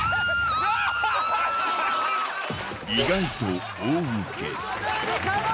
意外と大受け。